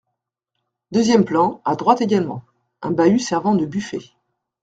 Deuxième plan, à droite également ; un bahut servant de buffet.